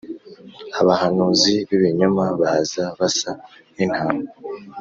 Abahanuzi b'ibinyoma baza basa n'intama.